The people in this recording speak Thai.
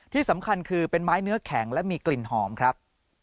ที่สำคัญคือเป็นไม้เนื้อแข็งและมีกลิ่นหอมครับ